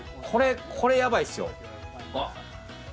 これやばいっすよ。